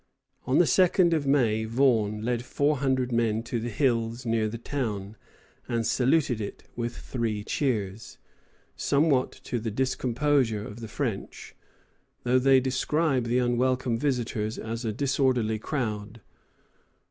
On the 2d of May Vaughan led four hundred men to the hills near the town, and saluted it with three cheers, somewhat to the discomposure of the French, though they describe the unwelcome visitors as a disorderly crowd.